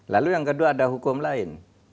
lalu yang kedua ada hukum lain